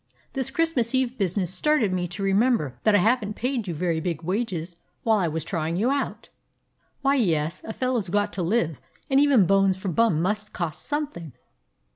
This Christmas Eve business started me to remem ber that I have n't paid you very big wages while I was trying you out. Why, yes, a fellow 's got to live, and even bones for Bum must cost something.